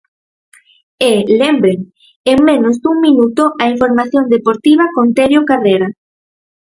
E, lembren, en menos dun minuto a información deportiva con Terio Carrera.